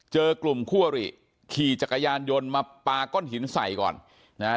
เจอกลุ่มคั่วหรี่ขี่จักรยานยนต์มาปาก้อนหินใส่ก่อนนะฮะ